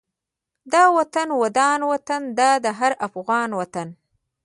دا وطن ودان وطن دا د هر افغان وطن